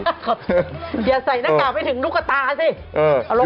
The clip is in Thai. อย่าใส่หน้ากากไปถึงลูกกระตาสิเอาลงมา